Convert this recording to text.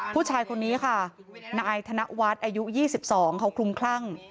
ผู้ชายคนนี้ค่ะนายธนวัฒน์อายุ๒๒เขาคลุมคลั่ง